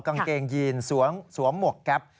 กางเกงยีนสวมหมวกแก๊ป